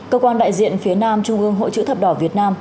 cơ quan đại diện phía nam trung ương hội chữ thập đỏ việt nam